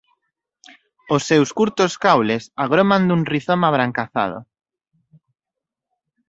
Os seus curtos caules agroman dun rizoma abrancazado.